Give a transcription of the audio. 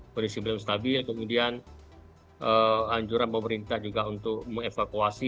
kondisi belum stabil kemudian anjuran pemerintah juga untuk me evakuasi